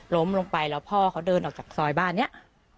ล้มลงไปแล้วพ่อเขาเดินออกจากซอยบ้านนี้